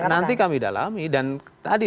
nanti kami dalami dan tadi